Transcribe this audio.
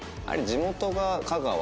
地元が香川？